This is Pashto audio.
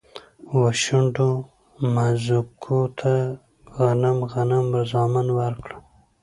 و، شنډو مځکوته غنم، غنم زامن ورکړه